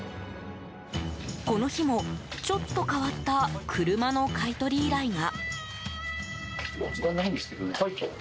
この日も、ちょっと変わった車の買い取り依頼が。